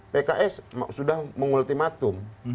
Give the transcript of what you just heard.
pks sudah mengultimatum